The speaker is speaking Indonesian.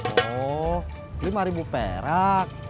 oh lima ribu perak